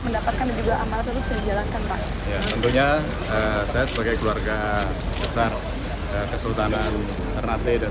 mendapatkan juga amal selesai jalankan pak tentunya saya sebagai keluarga besar kesultanan ternate dan